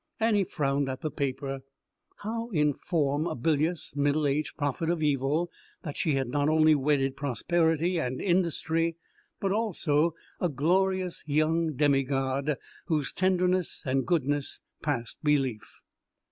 Annie frowned at the paper. How inform a bilious, middle aged prophet of evil that she had not only wedded prosperity and industry but also a glorious young demigod whose tenderness and goodness passed belief?